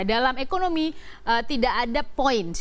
dalam ekonomi tidak ada point